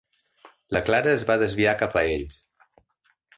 La Clara es va desviar cap a ells.